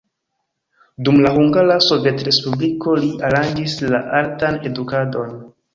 Dum la Hungara Sovetrespubliko li aranĝis la altan edukadon.